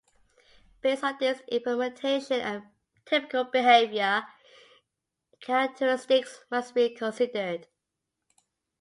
Based on this implementation a typical behaviour characteristics must be considered.